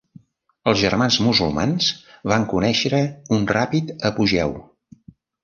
Els Germans Musulmans van conèixer un ràpid apogeu.